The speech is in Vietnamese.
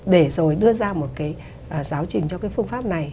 để rồi đưa ra một cái giáo trình cho cái phương pháp này